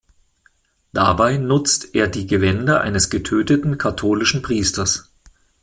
Dabei nutzt er die Gewänder eines getöteten katholischen Priesters.